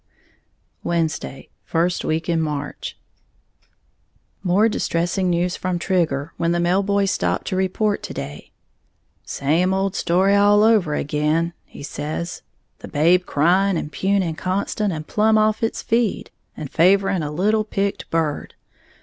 Wednesday, first week in March. More distressing news from Trigger, when the mail boy stopped to report to day. "Same old story all over ag'in," he says, "the babe crying and puning constant, and plumb off its feed, and favoring a little picked bird.